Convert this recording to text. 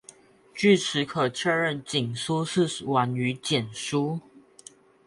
据此可确认帛书是晚于简书。